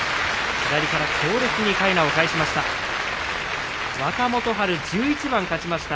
左から強烈にかいなを返しました。